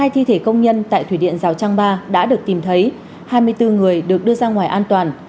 hai thi thể công nhân tại thủy điện rào trang ba đã được tìm thấy hai mươi bốn người được đưa ra ngoài an toàn